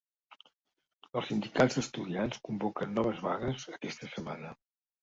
Els sindicats d’estudiants convoquen noves vagues aquesta setmana.